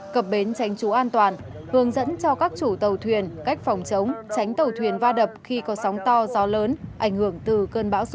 cập bến tránh trú an toàn hướng dẫn cho các chủ tàu thuyền cách phòng chống tránh tàu thuyền va đập khi có sóng to gió lớn ảnh hưởng từ cơn bão số sáu